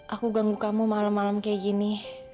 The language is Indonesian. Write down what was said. aku ganggu kamu malam malam kayak gini